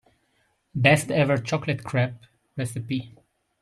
Best ever chocolate crepe recipe.